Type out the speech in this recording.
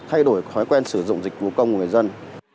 thay đổi thói quen sử dụng dịch vụ công của người dân